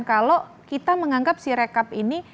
kalau kita menganggap si rekap ini